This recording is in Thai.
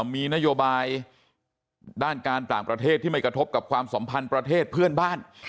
มีนโยบายด้านการต่างประเทศที่ไม่กระทบกับความสัมพันธ์ประเทศเพื่อนบ้าน